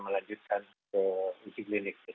melanjutkan ke uji klinis